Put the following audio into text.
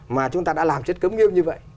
mà chúng ta đã làm chất cấm nghiêng như vậy